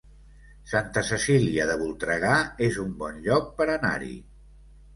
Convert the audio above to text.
Santa Cecília de Voltregà es un bon lloc per anar-hi